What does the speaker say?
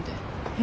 え？